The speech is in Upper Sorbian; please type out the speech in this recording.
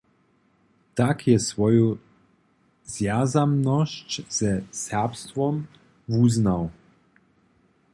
Tak je swoju zwjazanosć ze serbstwom wuznała.